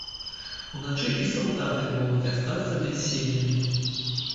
Уначы і салдаты могуць астацца бяссільнымі.